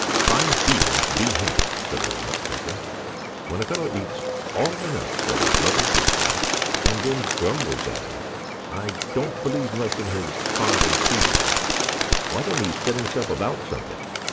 "Fine feelings be hanged!" said old Nutcracker. "When a fellow eats all the nuts that his mother gives him, and then grumbles at her, I don't believe much in his fine feelings. Why don't he set himself about something?